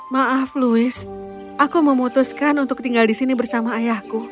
maaf louis aku memutuskan untuk tinggal di sini bersama ayahku